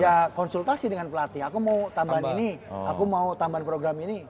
ya konsultasi dengan pelatih aku mau tambahan ini aku mau tambahan program ini